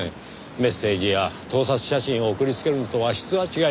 メッセージや盗撮写真を送りつけるのとは質が違います。